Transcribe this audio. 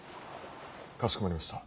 かしこまりました。